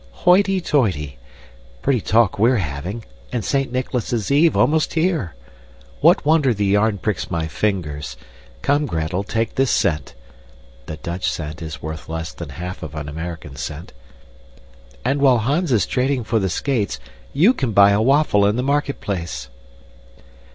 "Hoity! Toity! Pretty talk we're having, and Saint Nicholas's Eve almost here! What wonder the yarn pricks my fingers! Come, Gretel, take this cent, *{The Dutch cent is worth less than half of an American cent.} and while Hans is trading for the skates you can buy a waffle in the marketplace."